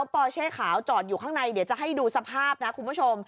พ่อเช่ขาวจอดอยู่ข้างในจะให้ดูสภาพคุณผู้ชม